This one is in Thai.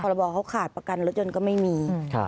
ระบอเขาขาดประกันรถยนต์ก็ไม่มี